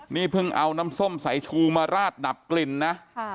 นี่เพิ่งเอาน้ำส้มสายชูมาราดดับกลิ่นนะ